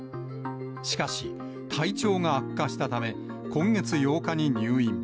しかし、体調が悪化したため、今月８日に入院。